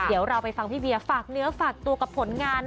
เดี๋ยวเราไปฟังพี่เวียฝากเนื้อฝากตัวกับผลงาน